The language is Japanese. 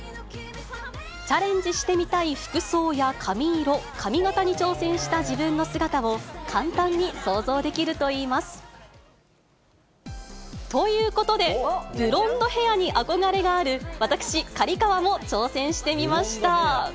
チャレンジしてみたい服装や髪色、髪形に挑戦した自分の姿を、簡単に想像できるといいます。ということで、ブロンドヘアに憧れがある私、刈川も挑戦してみました。